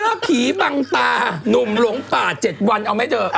เชื่อผีบังตาหนุ่มหลงป่าเจ็ดวันเอาไหมเจอ